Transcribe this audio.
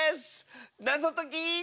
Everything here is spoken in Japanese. なぞとき。